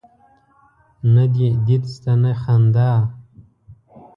نه دي دید سته نه خندا